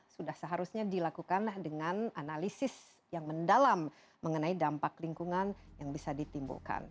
sudah seharusnya dilakukan dengan analisis yang mendalam mengenai dampak lingkungan yang bisa ditimbulkan